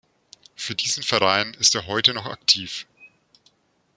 Für diesen Verein ist er heute noch aktiv.